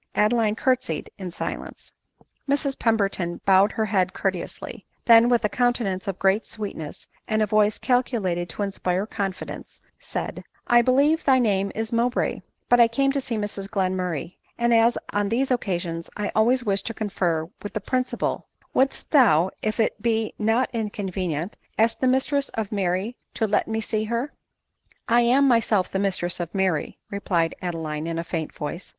Adeline curtsied in si lence. Mrs Pemberton bowed her head courteously ; then, with a countenance of great sweetness, and a voice cal culated to inspire confidence, said, " I believe thy name is Mowbray ; but I came to see Mrs Glenmurray ; and as on these occasions I always wish to confer with the principal, wouldst thou, if it be not inconvenient, ask the mistress of Mary to let me see her."* " I am myself the mistress of IVfiiry," replied Adeline in a faint voice.